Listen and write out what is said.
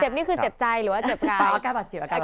เจ็บนี่คือเจ็บใจหรือว่าเจ็บกาย